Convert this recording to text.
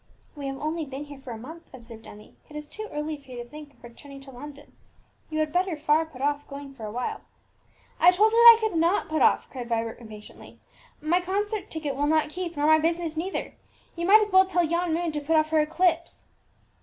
"We have only been here for a month," observed Emmie; "it is too early for you to think of returning to London. You had better far put off going for a while." "I told you that I could not put off!" cried Vibert impatiently. "My concert ticket will not keep, nor my business neither. You might as well tell yon moon to put off her eclipse!"